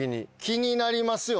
気になりますよね？